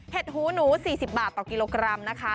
หูหนู๔๐บาทต่อกิโลกรัมนะคะ